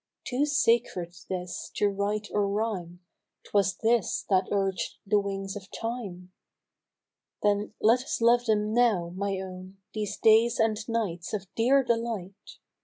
Too sacred this to write or rhyme, 'Twas this that urged the wings of Time ! Then let us love them now, my own. These days and nights of dear delight